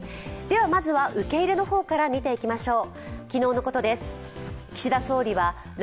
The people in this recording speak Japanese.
まずは受け入れの方から見ていきましょう。